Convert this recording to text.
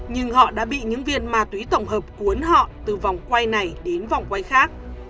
nhưng họ đã bị những viên ma túy tổng hợp cuốn họ từ vòng quay này đến vòng quay khác